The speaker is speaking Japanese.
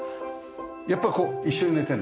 やっぱこう一緒に寝てるの？